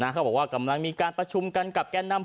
เขาบอกว่ากำลังมีการประชุมกันกับแก่นำ